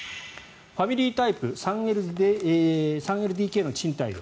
ファミリータイプ３ＬＤＫの賃貸料